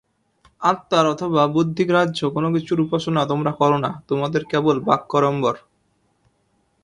আত্মার অথবা বুদ্ধিগ্রাহ্য কোন কিছুর উপাসনা তোমরা কর না! তোমাদের কেবল বাক্যাড়ম্বর।